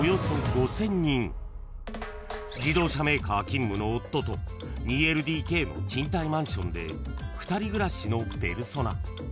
［自動車メーカー勤務の夫と２ＬＤＫの賃貸マンションで２人暮らしのペルソナ］